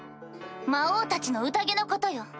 魔王たちの宴のことよ。